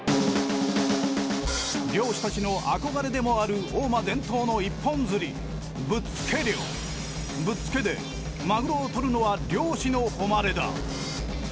漁師たちの憧れでもある大間伝統の一本釣りぶっつけでマグロを獲るのは漁師の誉だ。